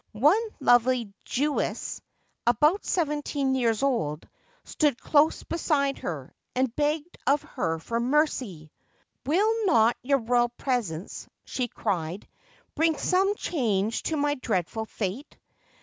One lovely Jewess, about seventeen years old, stood close beside her, and begged of her for mercy. "Will not your royal presence," she cried, "bring some change to my dreadful fate?